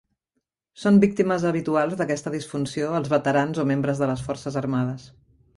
Són víctimes habituals d'aquesta disfunció els veterans o membres de les forces armades.